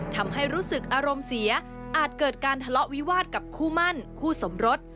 ทำให้รู้สึกอารมณ์เสียอาจเกิดการทะเลาะวิวาสกับคู่มั่นคู่สมรส